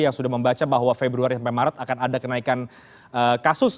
yang sudah membaca bahwa februari sampai maret akan ada kenaikan kasus